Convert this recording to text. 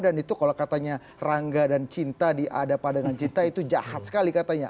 itu kalau katanya rangga dan cinta diadap padangan cinta itu jahat sekali katanya